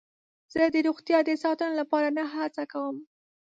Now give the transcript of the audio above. زه د روغتیا د ساتنې لپاره نه هڅه کوم.